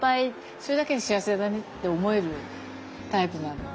それだけで幸せだねって思えるタイプなので。